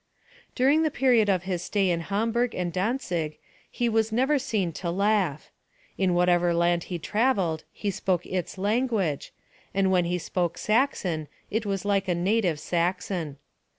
"During the period of his stay in Hamburg and Dantzig he was never seen to laugh. In whatever land he travelled he spoke its language, and when he spoke Saxon, it was like a native Saxon.